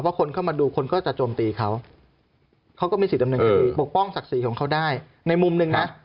คนเข้ามาดูคนก็จะโจมตีเขาเขาก็มีสิทธิดำเนินคดีปกป้องศักดิ์ศรีของเขาได้ในมุมหนึ่งนะ